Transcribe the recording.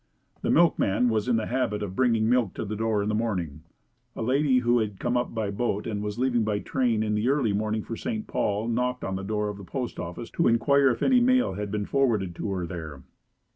The milkman was in the habit of bringing milk to the door in the morning. A lady who had come up by boat and was leaving by train in the early morning for St. Paul knocked on the door of the postoffice to inquire if any mail had been forwarded to her there.